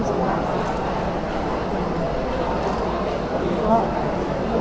จังหวังยังไม่ได้แน่บ้าง